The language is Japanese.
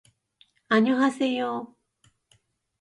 あにょはせよ